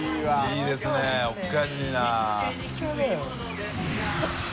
いいですねおかしいな。